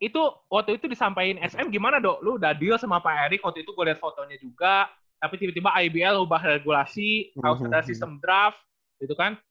itu waktu itu disampaikan sm gimana dok lu udah deal sama pak erick waktu itu gue lihat fotonya juga tapi tiba tiba ibl ubah regulasi harus ada sistem draft gitu kan